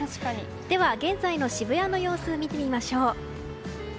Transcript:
では現在の渋谷の様子を見てみましょう。